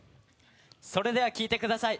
それでは聴いてください。